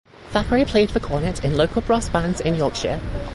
Thackray played the cornet in local brass bands in Yorkshire.